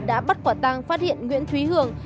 đã bắt quả tăng phát hiện nguyễn thúy hường